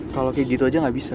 kalau kayak gitu aja nggak bisa